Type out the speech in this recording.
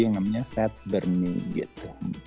jadi yang namanya fat burning gitu